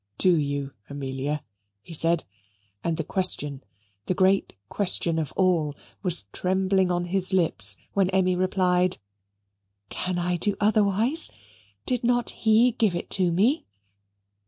"Do you, Amelia?" he said; and the question, the great question of all, was trembling on his lips, when Emmy replied "Can I do otherwise? did not he give it me?"